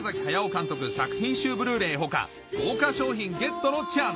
監督作品集ブルーレイ他豪華賞品ゲットのチャンス